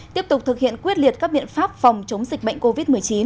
tiếp tục thực hiện quyết liệt các biện pháp phòng chống dịch bệnh covid một mươi chín